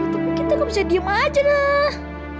tapi kita gak bisa diem aja lah